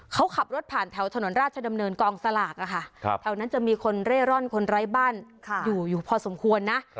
เขาขับรถผ่านแถวถนนราชดำเนินกองสลากแถวนั้นจะมีคนเร่ร่อนคนไร้บ้านอยู่อยู่พอสมควรนะ